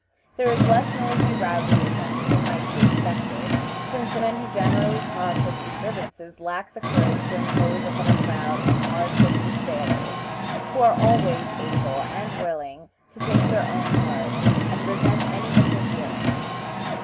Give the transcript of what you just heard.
There is less noisy rowdyism than might be expected, since the men who generally cause such disturbances lack the courage to impose upon a crowd of hard fisted sailors, who are always able and willing to take their own part, and resent any interference.